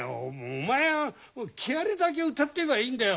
お前は木遣りだけ歌ってればいいんだよ。